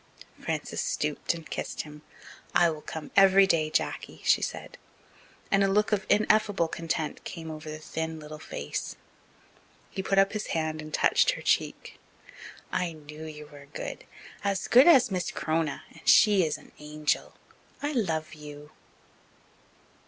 Frances stooped and kissed him. "I will come every day, Jacky," she said; and a look of ineffable content came over the thin little face. He put up his hand and touched her cheek. "I knew you were good as good as Miss C'rona, and she is an angel. I love you."